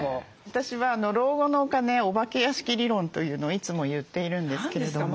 私は老後のお金お化け屋敷理論というのをいつも言っているんですけれども。